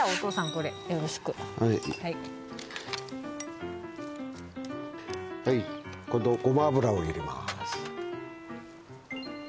これよろしくはいはい今度ごま油を入れます